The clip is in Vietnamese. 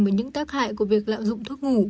về những tác hại của việc lạm dụng thuốc ngủ